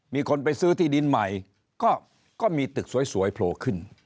มีคนไปซื้อที่ดินใหม่ก็มีตึกสวยโผล่ขึ้น